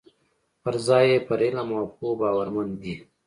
پر ځای یې پر علم او پوه باورمن دي.